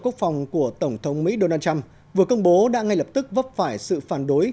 quốc phòng của tổng thống mỹ donald trump vừa công bố đã ngay lập tức vấp phải sự phản đối